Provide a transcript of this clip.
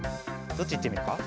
どっちいってみようか？